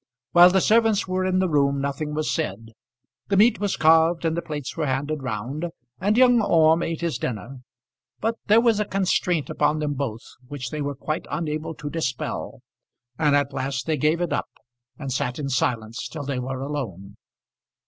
While the servants were in the room nothing was said. The meat was carved and the plates were handed round, and young Orme ate his dinner; but there was a constraint upon them both which they were quite unable to dispel, and at last they gave it up and sat in silence till they were alone.